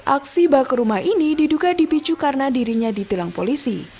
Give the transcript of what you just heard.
aksi bakar rumah ini diduga dipicu karena dirinya ditilang polisi